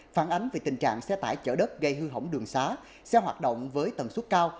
phản ánh về tình trạng xe tải chở đất gây hư hỏng đường xá xe hoạt động với tần suất cao